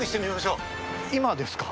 今ですか？